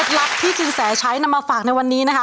กับเท็จรักที่จินแสใช้นำมาฝากในวันนี้นะคะ